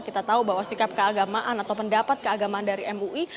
kita tahu bahwa sikap keagamaan atau pendapat keagamaan dari mui